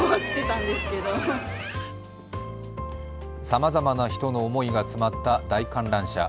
さまざまな人の思いが詰まった大観覧車。